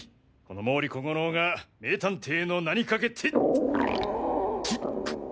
この毛利小五郎が名探偵の名に懸けて。